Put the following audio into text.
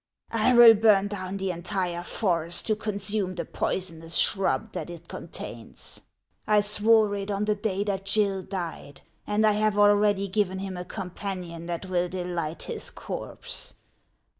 I will burn down the entire forest to consume the poisonous shrub that it contains. T swore it on the day that Gill died, and I have already given him a companion that will delight his corpse.